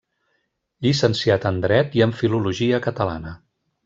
Llicenciat en dret i en filologia catalana.